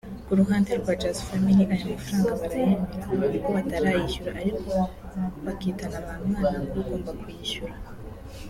Ku ruhande rwa Just Family aya mafaranga barayemera ko batarayishyura ariko bakitana ba mwana k’ugomba kuyishyura